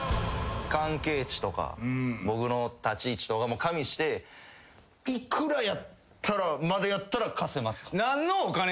関係値とか僕の立ち位置とかも加味して幾らまでやったら貸せますか？